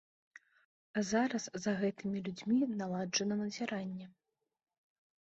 Зараз за гэтымі людзьмі наладжана назіранне.